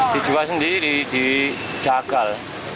dijual sendiri dijagal